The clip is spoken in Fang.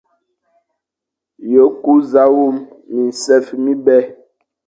Ye ku za wum minsef mibè.